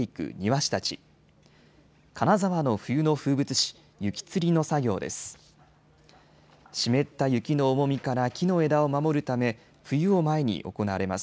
湿った雪の重みから木の枝を守るため冬を前に行われます。